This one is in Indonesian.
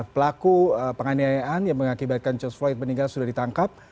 pelaku penganiayaan yang mengakibatkan george floyd meninggal sudah ditangkap